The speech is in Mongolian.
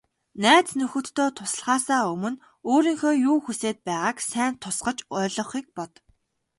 Найз нөхдөдөө туслахаасаа өмнө өөрийнхөө юу хүсээд байгааг сайн тусгаж ойлгохыг бод.